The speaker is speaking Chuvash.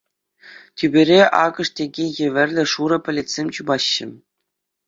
Тӳпере акӑш тӗкӗ евӗрлӗ шурӑ пӗлӗтсем чупаҫҫӗ.